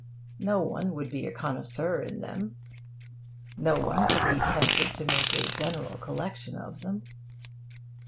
No one would be a connoisseur in them. No one could be tempted to make a general collection of them.